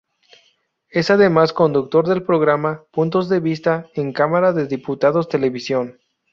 Es además conductor del Programa "Puntos de vista", en Cámara de Diputados Televisión.